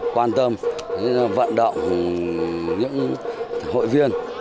quan tâm vận động những hội viên